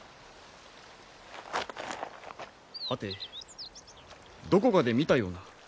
はてどこかで見たような。